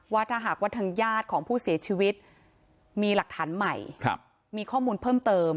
ว่าถ้าหากว่าทางญาติของผู้เสียชีวิตมีหลักฐานใหม่มีข้อมูลเพิ่มเติม